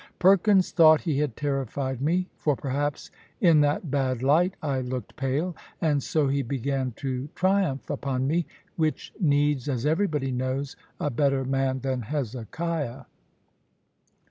Perkins thought he had terrified me, for perhaps in that bad light I looked pale; and so he began to triumph upon me, which needs, as everybody knows, a better man than Hezekiah.